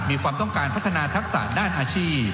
มีความต้องการพัฒนาทักษะด้านอาชีพ